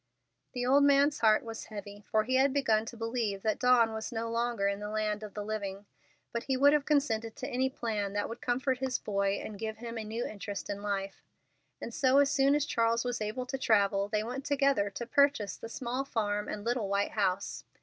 The old man's heart was heavy, for he had begun to believe that Dawn was no longer in the land of the living; but he would have consented to any plan that would comfort his boy and give him a new interest in life, and so as soon as Charles was able to travel they went together to purchase the small farm and little white house.